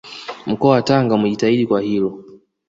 Mkoa wa Tanga umejitahidi kwa hilo